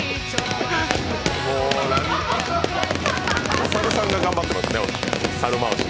お猿さんが頑張ってますね。